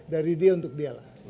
dari dia untuk dialah